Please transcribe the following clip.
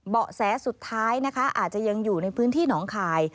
แสสุดท้ายนะคะอาจจะยังอยู่ในพื้นที่หนองคาย